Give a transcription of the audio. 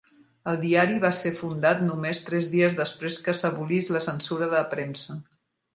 El diari va ser fundat només tres dies després que s'abolís la censura de premsa.